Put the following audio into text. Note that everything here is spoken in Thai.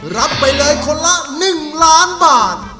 รับไปเลยคนละ๑ล้านบาท